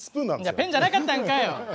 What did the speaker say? ペンじゃなかったんかよ！